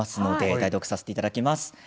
代読させていただきます。